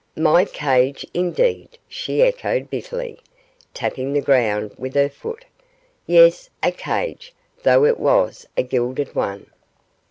'My cage, indeed!' she echoed, bitterly, tapping the ground with her foot. 'Yes, a cage, though it was a gilded one.